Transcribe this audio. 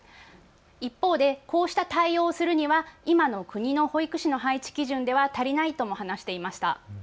一方でこうした対応をするには今の国の保育士の配置基準では足りないと話していました。